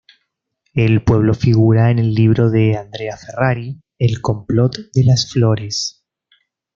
El pueblo figura en el libro de Andrea Ferrari ""el complot de Las Flores"".